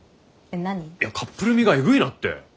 えっカップルみがエグいなって。